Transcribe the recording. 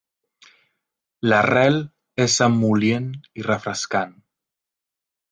L'arrel és emol·lient i refrescant.